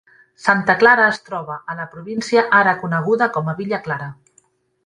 Santa Clara es troba a la província ara coneguda com a Villa Clara.